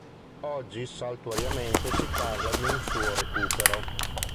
Oggi saltuariamente si parla di un suo recupero.